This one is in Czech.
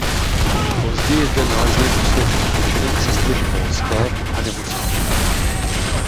Později zde nalezly poslední odpočinek sestry školské a nemocniční.